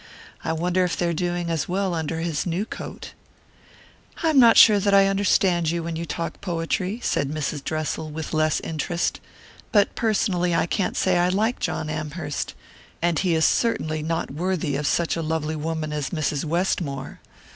I wonder if they're doing as well under his new coat." "I'm not sure that I understand you when you talk poetry," said Mrs. Dressel with less interest; "but personally I can't say I like John Amherst and he is certainly not worthy of such a lovely woman as Mrs. Westmore.